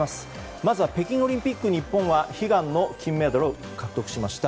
まず北京オリンピック日本は悲願の金メダルを獲得しました。